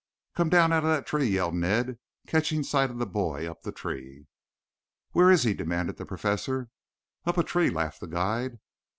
"Come down out of that!" yelled Ned, catching sight of the boy up the tree. "Where is he?" demanded the Professor. "Up a tree," laughed the guide.